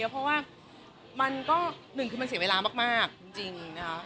เพราะว่ามันก็หนึ่งคือมันเสียเวลามากจริงนะคะ